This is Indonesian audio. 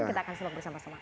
kita akan simak bersama sama